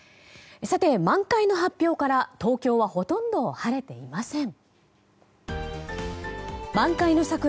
さて、満開の発表から東京はほとんど晴れていません。